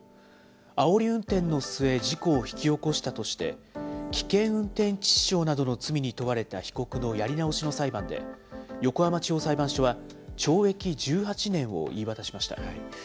あおり運転の末、事故を引き起こしたとして、危険運転致死傷などの罪に問われた被告のやり直しの裁判で、横浜地方裁判所は、懲役１８年を言い渡しました。